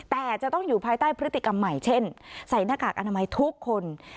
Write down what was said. แต่จะต้องอยู่ภายใต้พฤติกรรมใหม่เช่นใส่หน้ากากอนามัยทุกคน